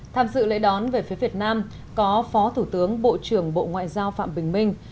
tham dự lễ đón về phía việt nam có phó thủ tướng bộ trưởng bộ ngoại giao phạm bình minh